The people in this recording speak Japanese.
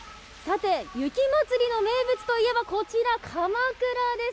雪まつりの名物といえばこちら、かまくらです。